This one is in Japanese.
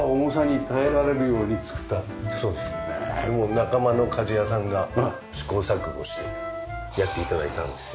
仲間の鍛冶屋さんが試行錯誤してやって頂いたんですよ。